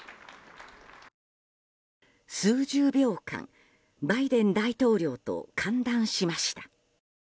数十秒間、バイデン大統領と歓談しました。